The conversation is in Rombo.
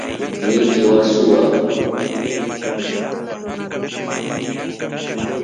Nikili wasua.